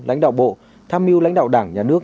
lãnh đạo bộ tham mưu lãnh đạo đảng nhà nước